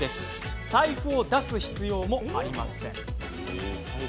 財布を出す必要もありません。